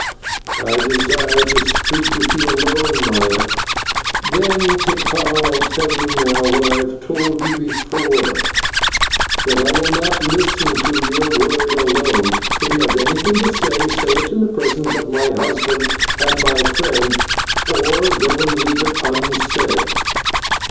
"I desire to speak with you alone, Maya." "Then, Tikal, I tell you now what I have told you before, that I will not listen to your words alone. If you have anything to say, say it in the presence of my husband and my friend, or go and leave it unsaid."